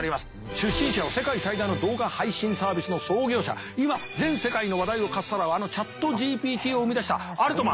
出身者は世界最大の動画配信サービスの創業者今全世界の話題をかっさらうあのＣｈａｔＧＰＴを生み出したアルトマン。